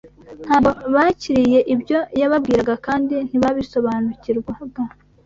Ntabwo bakiriye ibyo yababwiraga kandi ntibabisobanukirwaga